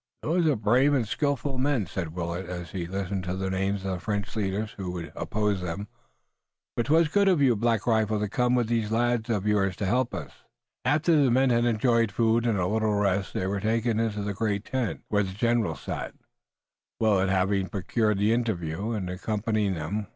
"Those are brave and skillful men," said Willet, as he listened to the names of the French leaders who would oppose them. "But 'twas good of you, Black Rifle, to come with these lads of yours to help us." After the men had enjoyed food and a little rest, they were taken into the great tent, where the general sat, Willet having procured the interview, and accompanying them.